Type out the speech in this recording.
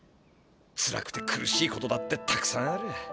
つらくて苦しいことだってたくさんある。